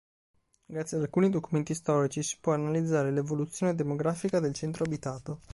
Grazie ad alcuni documenti storici si può analizzare l'evoluzione demografica del centro abitato.